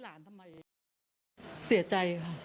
กลัวโดนตีอ้าว